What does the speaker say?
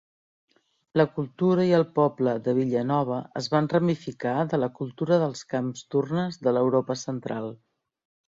La cultura i el poble de Villanova es van ramificar de la cultura dels camps d'urnes de l'Europa central.